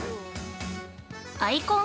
◆アイコン